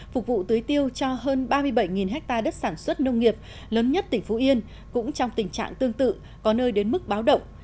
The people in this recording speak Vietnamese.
phục vụ tưới tiêu cho hơn ba mươi bảy ha đất sản xuất nông nghiệp lớn nhất tỉnh phú yên cũng trong tình trạng tương tự có nơi đến mức báo động